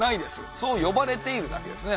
そう呼ばれているだけですね。